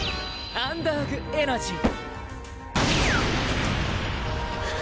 アンダーグ・エナジー！